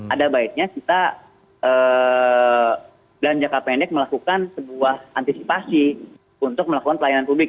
ada baiknya kita dalam jangka pendek melakukan sebuah antisipasi untuk melakukan pelayanan publik